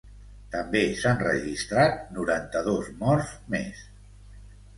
També s’han registrat noranta-dos morts més.